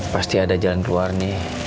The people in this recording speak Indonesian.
pasti ada jalan keluar nih